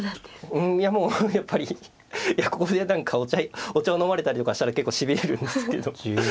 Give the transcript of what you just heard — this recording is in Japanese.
もうやっぱりここでお茶を飲まれたりとかしたら結構しびれるんですけど。